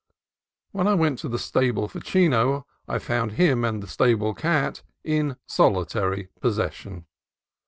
When I went to the stable for Chino, I found him and the stable cat in solitary possession.